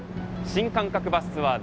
新感覚バスツアー